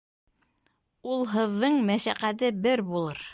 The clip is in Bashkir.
Улһыҙҙың мәшәҡәте бер булыр